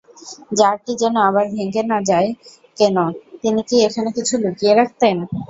জারটি যেন আবার ভেংগে না যায় কেন, তিনি কি এখানে কিছু লুকিয়ে রাখতেন?